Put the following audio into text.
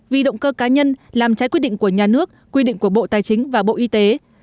vì động cơ cá nhân làm trái quyết định của nhà nước quy định của bộ tài chính và bộ y tế